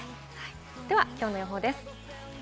では今日の予報です。